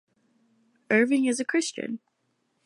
Erving is a Christian.